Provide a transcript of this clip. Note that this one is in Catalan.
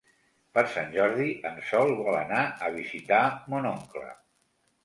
Per Sant Jordi en Sol vol anar a visitar mon oncle.